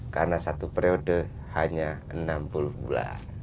karena satu periode hanya enam puluh bulan